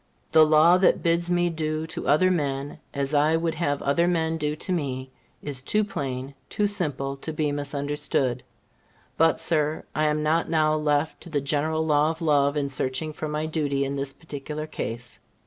The law that bids me do to other men as I would have other men do to me, is too plain, too simple to be misunderstood. But, Sir, I am not now left to the general law of love in searching for my duty in this particular case.